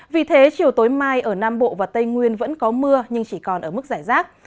vì thế chiều tối mai ở nam bộ và tây nguyên vẫn có mưa nhưng chỉ còn ở mức giải rác